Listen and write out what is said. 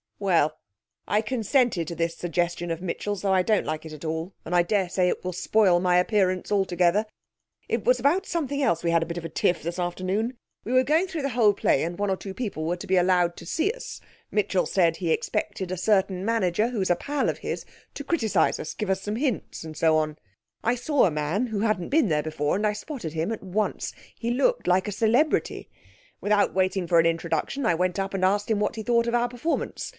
'Well, I consented to this suggestion of Mitchell's, though I don't like it at all, and I daresay it will spoil my appearance altogether. It was about something else we had a bit of a tiff this afternoon. We were going through the whole play, and one or two people were to be allowed to see us. Mitchell said he expected a certain manager, who is a pal of his, to criticise us give us some hints, and so on. I saw a man who hadn't been there before, and I spotted him at once. He looked like a celebrity. Without waiting for an introduction, I went up and asked him what he thought of our performance.